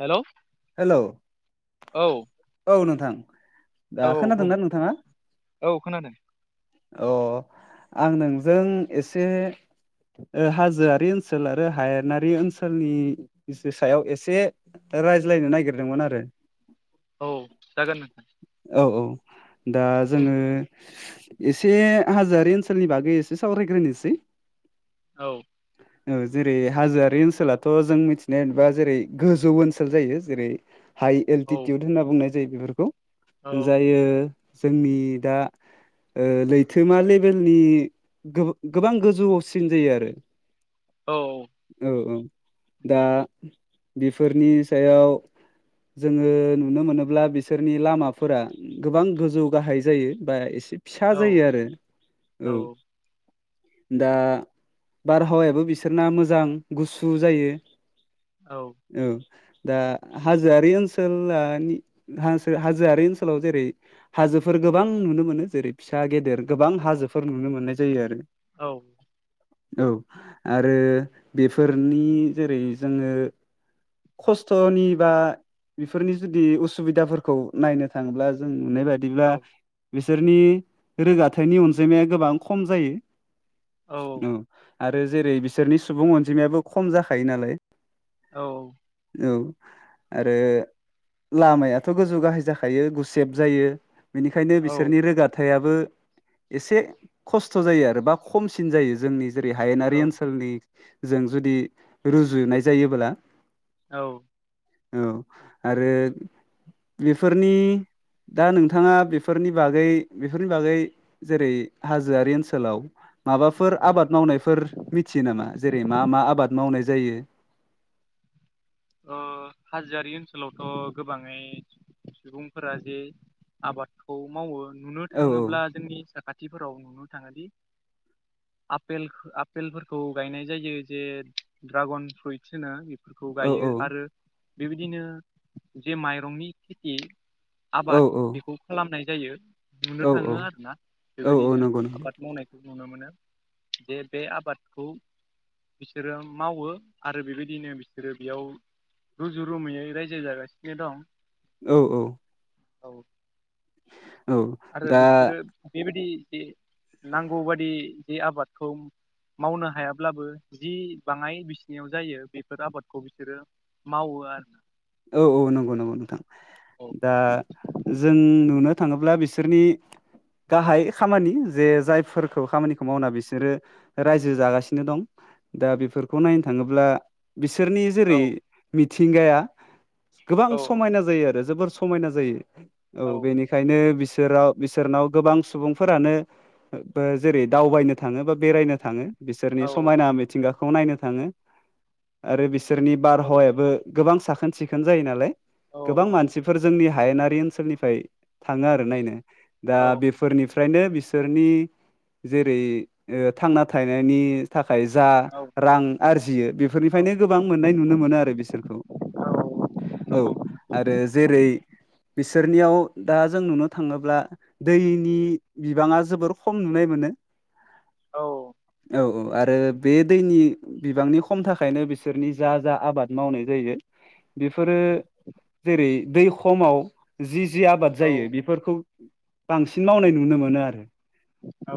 Hello hello औ थां औ ओ बुं खोनादोंना नोंथाङा औ खोनादों अ आं नोंजों एसे ओ हाजोआरि ओनसोल आरो हायेनारि ओनसोलनि एस सायाव एसे एसे रायज्लायनो नागिरदोंमोन आरो। औ जागोन नोंथां औ औ दा बुं जोङो एसे हाजोआरि ओनसोलनि बागै एसे सावरायग्रोनोसै। औ। ओ जेरै हाजोआरि ओनसोलाथ जों मिथिनायबा जेरै गोजौ ओनसोल जायो जेरै हाइ औ एल्टिटिउड होनना बुंनाय जायो बेफोरखौ औ जायो जोंनि दा ओ लैथोमा लेबेलनि गोबां गोजौआवसिन जायो आरो। औ औ औ दा बेफोरनि सायाव जोङो नुनो मोनोब्ला बिसोरनि लामाफोरा गोबां गोजौ गाहाय जायो बा एस एसे फिसा औ जायो आरो औ दा बारहावायाबो बिसोरना मोजां गुसु जायो औ। दा हाजोआरि ओनसला नि हाजोआरि ओनसोलाव जेरै हाजोफोर गोबां नुनो मोनो जेरै फिसा गेदेर गोबां हाजोफोर नुनो मोननाय जायो आरो औ। औ आरो बेफोरनि जेरै जोङो खस्थनि बा बेफोरनि जुदि उसुबिदाफोरखौ नायनो थाङोब्ला जों नुनाय बादिब्ला बिसोरनि रोगाथायाइनि अनजिमाया गोबां खम जायो औ आरो जेरै बिसोरनि सुबुं अनजिमायाबो खम जाखायो नालाय औ। औ आरो लामायाथ गोजौ गाहाय जाखायो गुसेब जायो बेनिखायनो बिसोरनि रोगाथायाबो एसे खस्थ जायो आरो बा खमसिन जायो जोंनि जेरै हायेनारि औ ओनसोलनि जों जुदि रुजुनाय जायोब्ला औ। औ आरो बेफोरनि दा नोंथाङा बेफोरनि बागै बेफोरनि बागै जेरै हाजोआरि ओनसोलाव माबाफोर आबाद मावनायफोर मिथियो नामा जेरै मा मा आबाद मावनाय जायो ओ हाजोआरि ओनसोलावथ गोबाङै सुबुंफोरा जे आबादखौ मावो नुनो औ थाङोब्ला जोंनि खाथिफोराव नुनो थाङोदि आपेल आपेलफोरखौ गायनाय जायो जे ड्रागन फ्रुइट्स होनो बेफोरखौ औ गायो औ। आरो बेबायदिनो जे माइरंनि खेथि औ आबाद बेखौ खालामनाय जायो नुनो औ औ थाङो आरोना औ औ बेबायदिनो नंगौ नंगौ आबाद मावनायखौ नुनो मोनो जे बे आबादखौ बिसोरो मावो आरो बेबायदिनो बिसोरो बेयाव रुजु रुमैयै रायजो जागासिनो दं। औ औ। औ। [inaudible] आरो दा बिसोरो बेबायदि जे नांगौबादि जे आबादखौ मावनो हायाब्लाबो जि बाङाय बिसिनायाव जायो बेफोर आबादखौ बिसोरो। मावो आरो औ औ नंगौ नंगौ नोंथां औ दा जों नुनो थाङोब्ला बिसोरनि गाहाय खामानि जे जायफोरखौ खामानिखौ मावना बिसोरो रायजो जागासिनो दं दा बेफोरखौ नायनो थाङोब्ला बिसोरनि औ जेरै मिथिंगाया गोबां औ समायना जायो आरो जोबोर समायना जायो औ बेनिखायनो बिसोर बिसोराव बिसोरनाव गोबां सुबुंफोरानो जेरै दावबायनो थाङो बा बेरायनो थाङो बिसोरनि समायना औ मिथिंगाखौ नायनो थाङो आरो बिसोरनि औ बारहावायाबो गोबां साखोन सिखोन जायो नालाय औ गोबां मानसिफोर जोंनि हायेनारि ओनसोलनिफ्राय थाङो आरो नायनो दा औ बेफोरनि फ्रायनो बिसोरनि जेरै ओ थांना थानायनि थाखाय जा औ रां आरजियो औ बेफोरनिफ्रायनो गोबां मोननाय नुनो मोनो आरो बिसोरखौ औ औ आरो जेरै बिसोरनियाव दा जों नुनो थाङोब्ला दैनि बिबाङा जोबोर खम नुनाय मोनो औ औ औ आरो दैनि बिबांनि खम थाखायनो बिसोरनि जा जा आबाद मावनाय जायो बेफोरो जेरै दै खमाव जि जि आबाद जायो बेफोरखौ बांसिन मावनाय नुनो मोनो आरो औ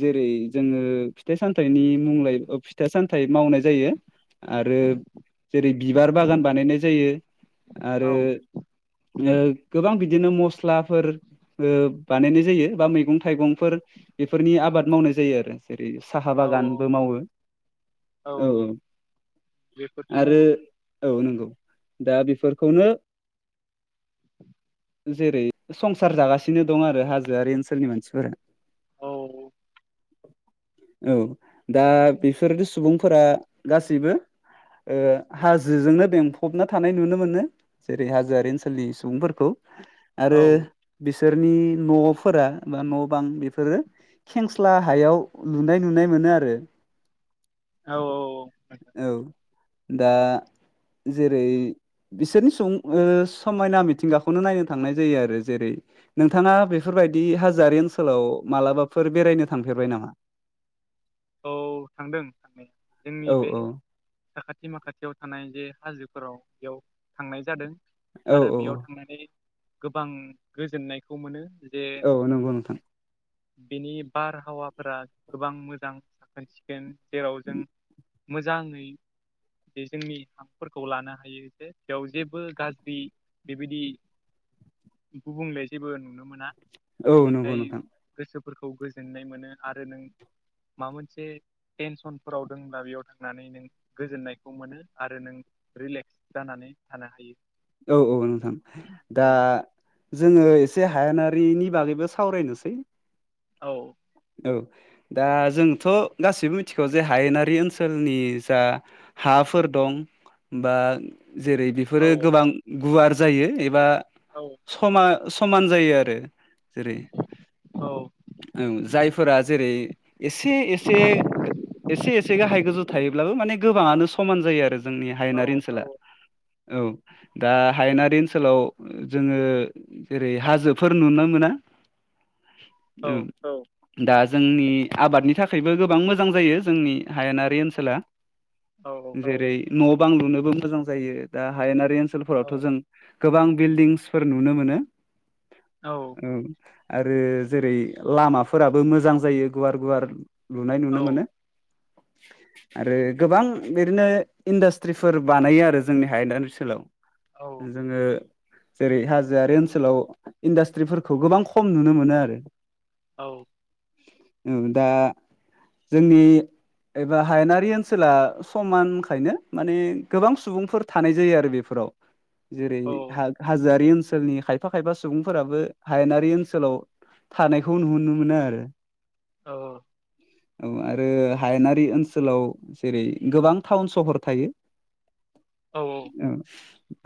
जेरै जोङो फिथाइ सामथाइनि मुंलाय फिथाइ सामथाइ मावनाय जायो आरो जेरै बिबार बागान बानायनाय जायो आरो गोबां ओ बि दिनो मस्लाफोर ओ बानायनाय जायो बा मैगं थाइगंफोर बेफोरनि आबाद मावनाय जायो आरो जेरै साहा औ बागानबो मावो औ औ [unintelligible] आरो [inaudible] औ नंगौ दा बेफोरखौनो जेरै संसार जागासिनो दं आरो हाजोआरि ओनसोलनि मानसिफोरा औ औ दा बेफोर सुबुंफोरा गासैबो ओ हाजोजोंनो बेंफबना थानाय नुनो मोनो जेरै हाजोआरि ओनसोलनि सुबुंफोरखौ औ आरो बिसोरनि न'फोरा बा न' बां बेफोरो खेंस्ला हायाव लुनाय नुनाय मोनो आरो औ औ औ दा जेरै बिसोरनि सुबुं ओ समायना मिथिंगाखौनो नायनो थांनाय जायो आरो जेरै नोंथाङा बेफोर बायदि हाजोआरि ओनसोलाव मालाबाफोर बेरायनो थांफेरबाय नामा? औ थांदों थांनाया जोंनि औ बे औ साखाथि माखाथियाव थानाय जे हाजोफोराव बेयाव थांनाय जादों औ आरो औ बेयाव थांनानै गोबां गोजोननायखौ मोनो जे औ नंगौ नोंथां बेनि बारहावाफोरा गोबां मोजां साखोन सिखोन जेराव जों मोजाङै जे जोंनि हांफोरखौ लानो हायो जे बेयाव जेबो गाज्रि बेबायदि [unintelligible] [inaudible] गुबुंले जेबो नुनो मोना औ नंगौ बेनिखाय नोंथां गोसोफोरखौ गोजोननाय मोनो आरो नों माबा मोनसे टेनसनफोराव दंब्ला बेयाव थांनानै नों गोजोननायखौ मोनो आरो नों रिलेक्स जानानै थानो हायो औ औ नोंथां दा औ जोङो एसे हायानारिनि बागैबो सावरायनोसै औ औ दा जोंथ' गासिबो मिथिगौ जे हायेनारि ओनसोलनि जा हा फोर दं बा जेरै औ बेफोरो गोबां गुवार जायो एबा औ समा समान जायो आरो जेरै औ दा जेरै एसे - एसे एसे - एसे गाहाय गोजौ थायोब्लाबो माने गोबाङानो समान जायो आरो जोंनि औ हायेनारि ओनसोला औ दा हायेनारि ओनसोलाव जोङो जेरै हाजोफोर नुनो मोना औ - औ दा जोंनि आबादनि थाखायबो गोबां मोजां जायो जोंनि हायेनारि ओनसोला औ जेरै न' बां लुनोबो मोजां जायो दा हायेनारि ओनसोलफोरावथ' औ जों गोबां बिल्डिंसफोर नुनो मोनो औ औ आरो जेरै लामाफोराबो मोजां जायो गुवार- गुवार लुनाय औ नुनो मोनो [unintelligible] आरो गोबां बिदिनो इन्डास्ट्रिफोर बानायो आरो जोंनि हायेना ओनसोलाव जोङो जेरै हाजोआरि ओनसोलाव इन्डास्ट्रिफोरखौ गोबां खम नुनो मोनो आरो औ औ दा जोंनि एबा हायेनारि ओनसोला समानखायनो माने गोबां सुबुंफोर थानाय जायो आरो बेफोर जेरै हा हाजोआरि ओनसोल ओनसोलनि खायफा- खायफा सुबुंफोराबो हायेनारि ओनसोलाव थानाय खौन हुनो मोनो आरो औ औ आरो हायेनारि ओनसोलाव जेरै गोबां टाउन सहर थायो औ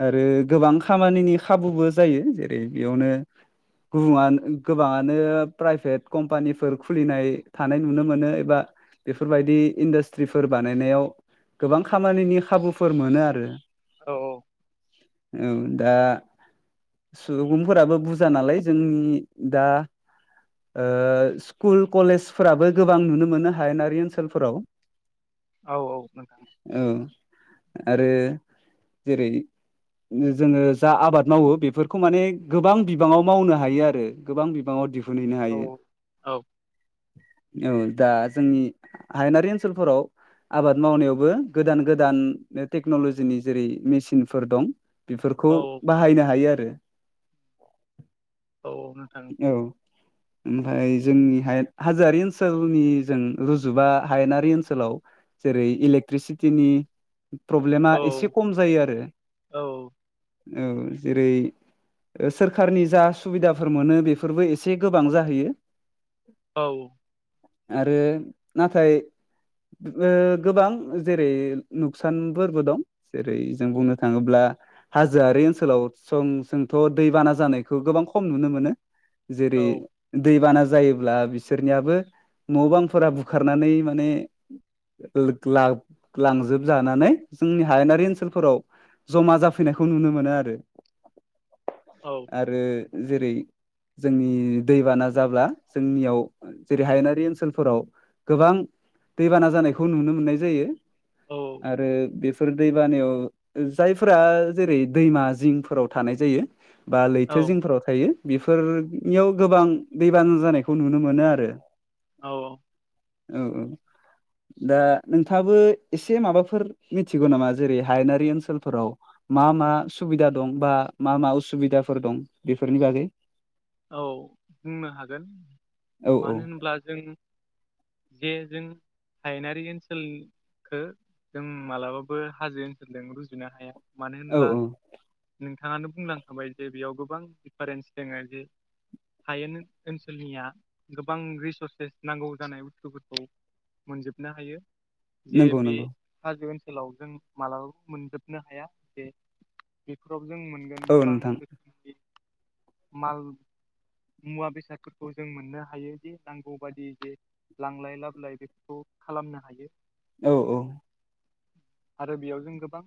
आरो गोबां खामानिनि खाबुबो जायो जेरै बेयावनो गुबङा गोबाङानो प्राइभेट कम्पानिफोर खुलिनाय थानाय नुनो मोनो एबा बेफोरबायदि इन्डास्ट्रिफोर बानायनायाव गोबां खामानिनि खाबुफोर मोनो आरो औ - औ औ दा सुबुंफोराबो बुरजा नालाय जोंनि दा ओ स्कुल कलेजफोराबो गोबां नुनो मोनो हायेनारि ओनसोलफोराव औ - औ नोंथां औ आरो जेरै जोङो जा आबाद मावो बेफोरखौ माने गोबां बिबाङाव मावनो हायो आरो गोबां बिबाङाव दिहुन नुनो औ हायो औ औ दा जोंनि हायेनारि ओनसोलफोराव आबाद मावनायावबो गोदान - गोदान टेक्न'लजिनि जेरै मेचिनफोर दं बेफोरखौ औ बाहायनो हायो आरो औ औ नोंथां [unintelligible] ओमफाय जोंनि हाएद हाजोआरि ओनसोलनि जों रुजुबा हायेनारि ओनसोलाव जेरै इलेक्ट्रिसिटिनि प्रब्लेमा औ एसे खम जायो आरो औ औ जेरै सोरखारनि जा सुबिदाफोर मोनो बेफोरबो एसे एसे गोबां जाहैयो औ आरो नाथाय ओ गोबां जेरै नुकसानफोरबो दं जेरै जों बुंनो थांङोब्ला हाजोआरि ओनसोलाव सं जोंथ' दैबाना जानायखौ गोबां खम नुनो मोनो जेरै दैबाना जा जायोब्ला बिसोरनियाबो न' बांफोरा बुखारनानै माने लोख लाब लांजोबजानानै जोंनि हायेनारि ओनसोलफोराव जमा जाफैनायखौ नुनो मोनो आरो औ आरो जेरै जोंनि दैबाना जाब्ला जोंनियाव जेरै हायेनारि ओनसोलफोराव गोबां दैबाना जानायखौ नुनो मोननाय जायो आरो बेफो फोर दै बानायाव जायफोरा जेरै दैमा जिंफोराव थानाय जायो। बा औ लैथो जिंफोराव थायो बेफोर बेयाव गोबां दैबाना जानायखौ नुनो मोनो आरो औ औ औ दा नोंथांङाबो एसे माबाफोर मिथिगौ नामा जेरै हायेनारि ओनसोलफोराव मा मा सुबिदा दं बा मा मा उसुबिदाफोर दं बेफोरनि बागै औ बुंनो हागोन औ औ मानो होनब्ला जों जे जों हायेनारि ओनसोलखौ जों मालाबाबो हाजो ओनसोलजों रुजुनो हाया। मानो औ होनब्ला औ नोंथांङानो बुंलांखाबाय जे बेयाव गोबां दिफारेन्स दोंङ जि [inaudible] हायेन ओनसोलनिया गोबां रिसर्सेस नांगौ जानाय बुस्थुफोरखौ मोनजोबनो हायो जे नंगौ बे नंगौ हाजो ओनस लाव जों मालाबाबो मोनजोबनो हाया जे बेखौ खौ जों मोनगोन औ गोबां नोंथां रोखोमनि माल [inaudible] मुवा बेसादफोरखौ जों मोननो हायोदि नांगौ बादि जे लांलाय लाबोलाय बेफोरखौ खा खालामनो हायो। औ औ आरो बेयाव जों गोबां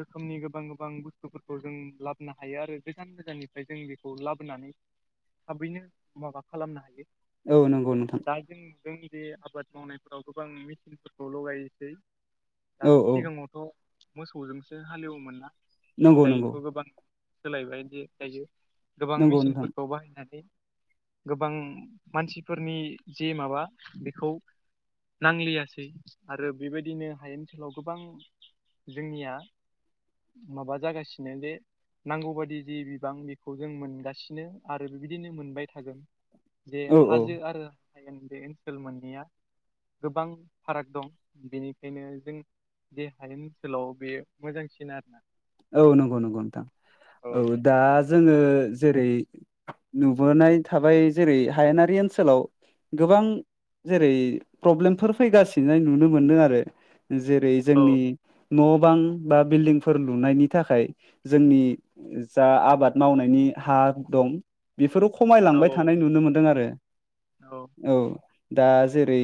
रोखोमनि गोबां गोबां बुस्थुफोरखौ जों लाबोनो हायो आरो गोजान गोजाननिफ्राय जों बे खौ लाबोनानै थाबैनो माबा खालामनो हायो औ नंगौ नोंथां बे आबाद मावनायफोराव गोबां मेचिनफोरखौ लगायसै दा औ औ सिगाङावथ' मोसौजोंसो हालेवोमोन ना नंगौ दायोथ' नंगौ गोबां सोलायबायदि दायो गोबां नंगौ नोंथां मेचिनफोरखौ बाहायनानै गोबां मानसिफोरनि जे माबा बेखौ नांलियासै आरो बेबायदिनो हायेन ओनसोलाव गोबां जोंनिया माबा जागासिनो जे नांगौ बादि जि बिबां बेखौ खौ जों मोनगासिनो आरो बिबायदिनो मोनबाय थागोन जे औ औ हाजो आरो बे ओनसोल मोननैया गोबां फाराग दं बिनिखायनो जों दे ओनसोलाव बे मोजांसिन आरोना औ नंगौ नंगौ नोंथां औ दा जोंङो जेरै नुबोनाय थाबाय जेरै हायेनारि ओनसोलाव गोबां जेरै प्रब्लेमफोर फैगासिनो नुनो मोनदों आरो जेरै औ जोंनि न' बां बा बिल्डिंफोर लुनायनि थाखाय जोंनि जा आबाद मावनायनि हा दं बेफोराव औ खमायलांबाय थानाय नुनो मोन्दों आरो औ दा जेरै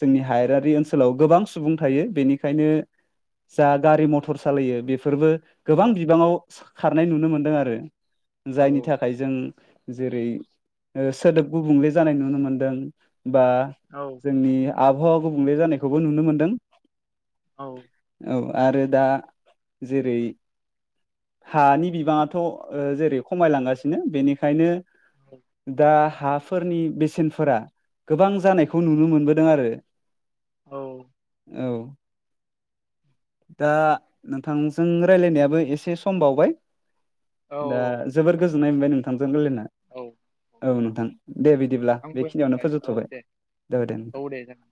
जोंनि हायरारि ओनसोलाव गोबां सुबुं थायो बेनिखायनो जा गारि मथर सालायो बेफो फोरबो औ गोबां बिबाङाव खारनाय नुनो मोनदों आरो औ जायनि थाखाय जों जेरै ओ सोदोब गुबुंले जानाय नुनो मोनदों बा औ जोंनि आबहावा गुबुंले जानायखौबो नुनो मोनदों। औ। औ आरो दा जेरै हानि बिबाङाथ' ओ जेरै खमायलांगासिनो बेनिखायनो दा हाफोरनि बेसेनफोरा गोबां जानायखौ नुनो मोनबोदों आरो। औ। औ दा नोंथांजों रायलायनायाबो एसे सम बावबाय औ दा जोबोर गोजोननाय मोनबाय नोंथांजों रायलायना। औ औ नोंथां दे बिदिब्ला आंबो बेखिनियावनो मोनबाय औ फोजोबथ'बाय दे जाबाय दे औ जागोन